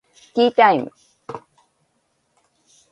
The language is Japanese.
ティータイム